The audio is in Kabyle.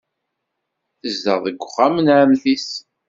Tezdeɣ deg uxxam n ɛemmti-s.